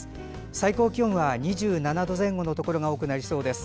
最高気温は２７度前後のところが多くなりそうです。